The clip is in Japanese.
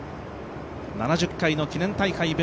７０回の記念大会